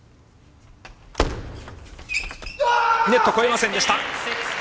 ネット越えませんでした。